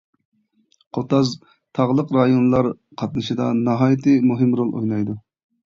قوتاز تاغلىق رايونلار قاتنىشىدا ناھايىتى مۇھىم رول ئوينايدۇ.